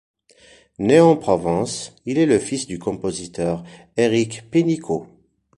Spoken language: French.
Né en Provence, il est le fils du compositeur Éric Pénicaud.